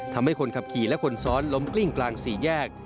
ทำให้คนขับขี่และคนซ้อนล้มกลิ้งกลางสี่แยก